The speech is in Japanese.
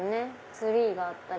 ツリーがあったり。